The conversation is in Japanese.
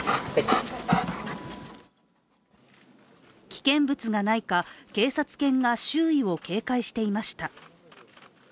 危険物がないか警察犬が周囲を警戒していました。